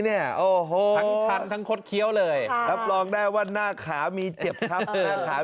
ทั้งชั้นทั้งคดเขียวเลยรับรองได้ว่าหน้าขามีเจ็บครับ